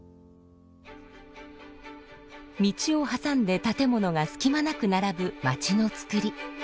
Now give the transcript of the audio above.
道を挟んで建物が隙間なく並ぶ町のつくり。